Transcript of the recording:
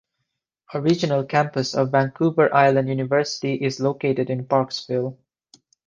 A regional campus of Vancouver Island University is located in Parksville.